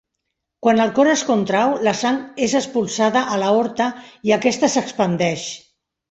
Quan el cor es contrau, la sang és expulsada a l'aorta i aquesta s'expandeix.